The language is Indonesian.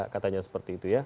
katanya seperti itu ya